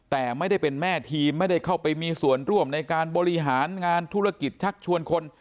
แต่ไม่ได้เป็นแม่ทีมไม่ได้เข้าไปมีส่วนร่วมในการบริหารงานธุรกิจชักชวนคน